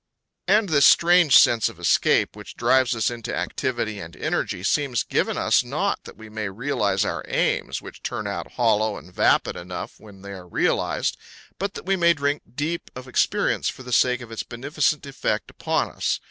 And this strange sense of escape which drives us into activity and energy seems given us not that we may realise our aims, which turn out hollow and vapid enough when they are realised, but that we may drink deep of experience for the sake of its beneficent effect upon us.